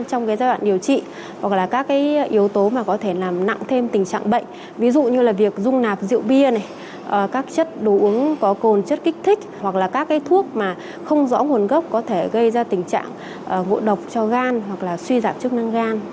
trong giai đoạn điều trị hoặc là các yếu tố mà có thể làm nặng thêm tình trạng bệnh ví dụ như là việc dung nạp rượu bia này các chất đồ uống có cồn chất kích thích hoặc là các thuốc không rõ nguồn gốc có thể gây ra tình trạng ngộ độc cho gan hoặc là suy giảm chức năng gan